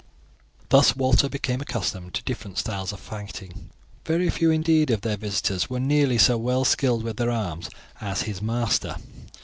Thus Walter became accustomed to different styles of fighting, but found that very few, indeed, of their visitors were nearly so well skilled with their arms as his master.